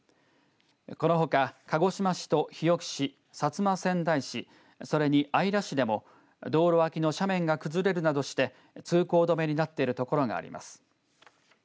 このほか鹿児島市と日置市、薩摩川内市それに姶良市でも道路脇の斜面が崩れるなどして通行止めになっているところがあります。